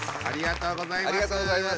ありがとうございます。